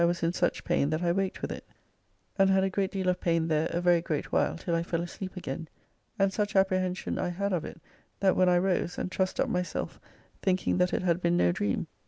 [was] in such pain that I waked with it, and had a great deal of pain there a very great while till I fell asleep again, and such apprehension I had of it that when I rose and trussed up myself thinking that it had been no dream.